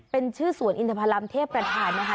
เป็นชื่อสวนอินทพรรมเทพประธานนะคะ